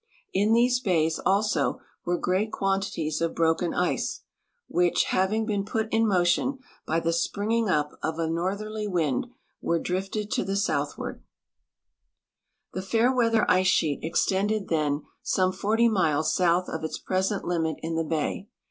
In these bays also were great quantities of broken ice, which, having been put in motion by the springing up of a norther! wind, were drifted to the south waixl." The Fairweather ice sheet extended then some 40 miles south of its present limit in the bay.